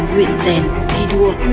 nguyện rèn thi đua